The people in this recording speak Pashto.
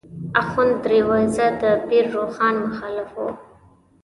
آخوند دروېزه د پیر روښان مخالف و.